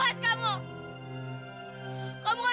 burn ya berlapar